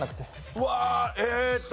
うわえっと。